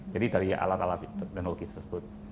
jadi dari alat alat teknologi tersebut